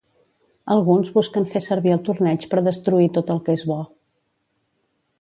Alguns busquen fer servir el torneig per destruir tot el que és bo.